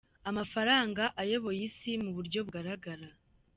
Amafaranga ayoboye isi mu buryo bugaragara.